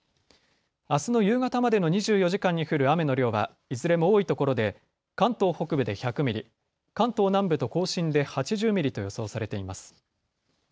あすの夕方までの２４時間に降る雨の量はいずれも多いところで関東北部で１００ミリ、関東南部と甲信で８０ミリと予想されています。